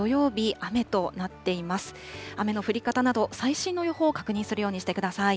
雨の降り方など、最新の予報を確認するようにしてください。